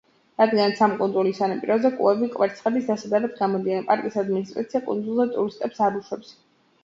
რადგანაც ამ კუნძულის სანაპიროზე კუები კვერცხების დასადებად გამოდიან, პარკის ადმინისტრაცია კუნძულზე ტურისტებს არ უშვებს.